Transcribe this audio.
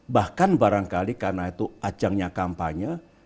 bahkan barangkali karena itu ajangnya kampanye